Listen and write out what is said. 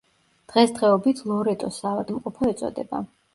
დღესდღეობით ლორეტოს საავადმყოფო ეწოდება.